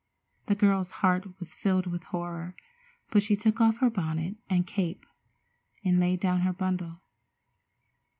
The girl's heart was filled with horror, but she took off her bonnet and cape and laid down her bundle.